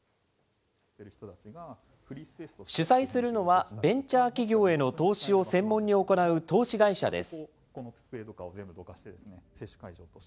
主催するのはベンチャー企業への投資を専門に行う投資会社です。